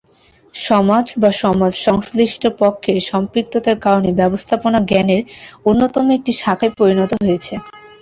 সমাজ বা সমাজ সংশ্লিষ্ট পক্ষের সম্পৃক্ততার কারনে 'ব্যবস্থাপনা' জ্ঞানের অন্যতম একটি শাখায় পরিণত হয়েছে।